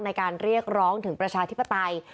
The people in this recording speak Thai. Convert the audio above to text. ในการเรียกร้องถึงประชาธิปไตย